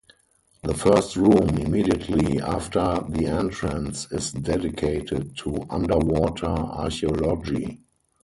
The first room immediately after the entrance is dedicated to underwater archeology.